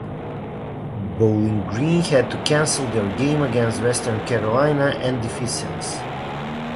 Bowling Green had to cancel their games against Western Carolina and Defiance.